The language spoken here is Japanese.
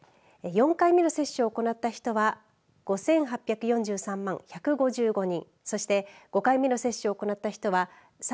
４回目の接種を行った人は５８４３万１５５人。